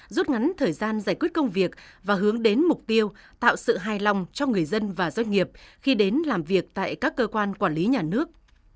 rút ngắn thời gian giải quyết công việc và hướng đến mục tiêu tạo sự hài lòng cho người dân và doanh nghiệp khi đến làm việc tại các cơ quan quản lý nhà nước